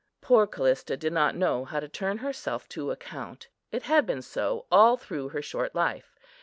Poor Callista did not know how to turn herself to account. It had been so all through her short life.